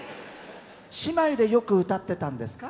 姉妹でよく歌ってたんですか？